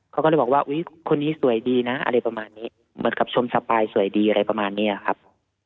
เขาก็เลยบอกว่าอุ๊ยคนนี้สวยดีนะอะไรประมาณนี้เหมือนกับชมสปายสวยดีอะไรประมาณนี้ครับ